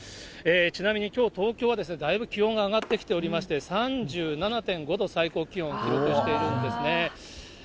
ちなみにきょう、東京はだいぶ気温が上がってきておりまして、３７．５度、最高気温、記録しているんですね。